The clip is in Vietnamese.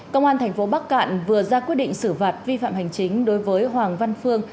công an thành phố bắc cạn vừa ra quyết định xử vật vi phạm hành chính đối với hoàng văn phương